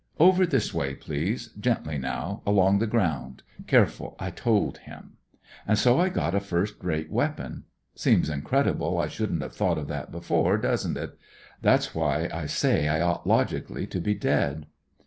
'Over this way, please ; gently now, along the ground — careful!* I told him. And so I got a first rate weapon. Seems incredible I shouldn't have thought of that before, doesn't it? That's why I say I ought logically to be dead.